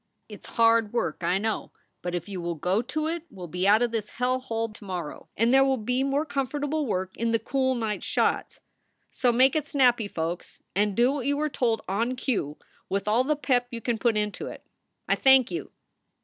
It s hard work, I know, but if you will go to it we ll be out of this hell hole to morrow and there will be more comfortable work in the cool night shots. So make it snappy, folks, and do what you are told on cue, with all the pep you can put into it. I thank you!"